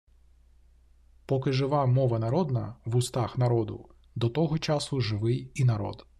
Поки жива мова народна в устах народу, до того часу живий і народ.